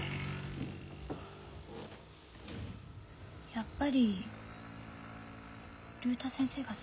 やっぱり竜太先生が好きなの？